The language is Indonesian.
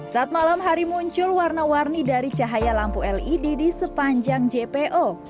saat malam hari muncul warna warni dari cahaya lampu led di sepanjang jpo